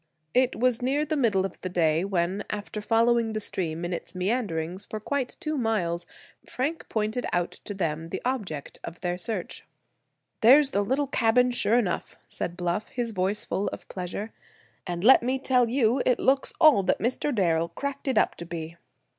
It was near the middle of the day when, after following the stream in its meanderings for quite two miles, Frank pointed out to them the object of their search. "There's the little cabin, sure enough," said Bluff, his voice full of pleasure, "and let me tell you it looks all that Mr. Darrel cracked it up to be."